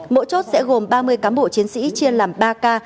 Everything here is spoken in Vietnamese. mỗi chốt sẽ gồm ba mươi cám bộ chiến sĩ chia làm ba ca